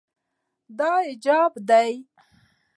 دا حجاب ده.